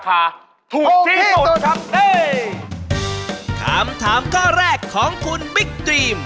คำถามข้อแรกของคุณบิ๊กดรีม